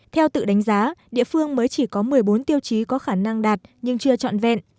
theo tự đánh giá địa phương mới chỉ có một mươi bốn tiêu chí có khả năng đạt nhưng chưa trọn vẹn